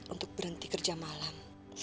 untuk berhenti kerja malam